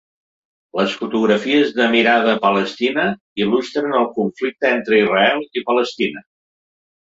Les fotografies de Mirada Palestina il·lustren el conflicte entre Israel i Palestina.